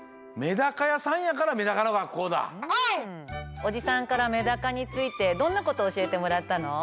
おじさんからメダカについてどんなことおしえてもらったの？